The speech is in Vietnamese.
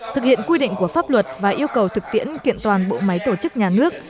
thực hiện quy định của pháp luật và yêu cầu thực tiễn kiện toàn bộ máy tổ chức nhà nước